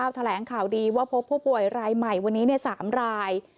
แถลงข่าวดีว่าพบผู้ป่วยรายใหม่วันนี้๓ราย